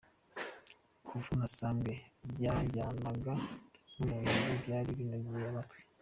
Kuvuna sambwe byajyanaga n’amayugi byari binogeye amatwi.